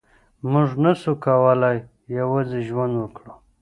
مونږ نسو کولای یوازې ژوند وکړو.